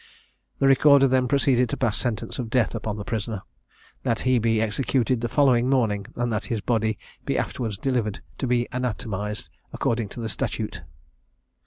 The Recorder then proceeded to pass sentence of death upon the prisoner; that he be executed the following morning, and that his body be afterwards delivered to be anatomized according to the statute.